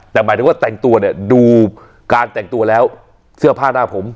แต่หมายถึงว่าแต่งตัวเนี่ยดูการแต่งตัวแล้วเสื้อผ้าหน้าผม